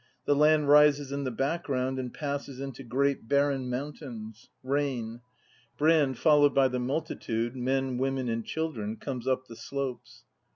The land rises in the background and passes into great barren mount ains. Rain. Brand, followed by the multitude — men, women, and children, — comes up the slopes.